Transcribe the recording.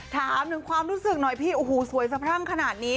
ถามถึงความรู้สึกหน่อยพี่โอ้โหสวยสะพรั่งขนาดนี้